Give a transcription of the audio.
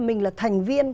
mình là thành viên